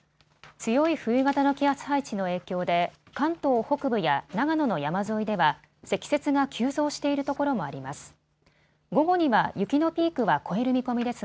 強い冬型の気圧配置の影響で関東北部や長野の山沿いでは積雪が急増しているところもあります。